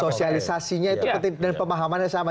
sosialisasinya itu penting dan pemahamannya sama